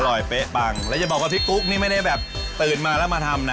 เป๊ะปังแล้วอย่าบอกว่าพี่กุ๊กนี่ไม่ได้แบบตื่นมาแล้วมาทำนะ